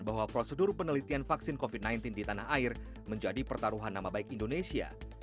bahwa prosedur penelitian vaksin covid sembilan belas di tanah air menjadi pertaruhan nama baik indonesia